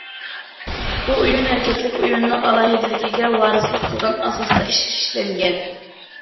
بۇ ئويۇن ھەرىكەتلىك ئويۇننىڭ ئالاھىدىلىكىگە ۋارىسلىق قىلغان ئاساستا ئىشلەنگەن.